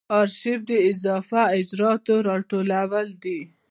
آرشیف د اضافه اجرااتو راټولول دي.